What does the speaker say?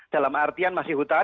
dalam artian masih hutan